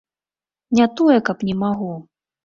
Не тое, каб не магу.